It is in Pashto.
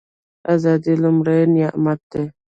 ازادي لوی نعمت دی